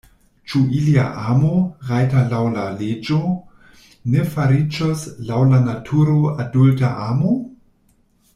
Ĉu ilia amo, rajta laŭ la leĝo, ne fariĝos laŭ la naturo adulta amo?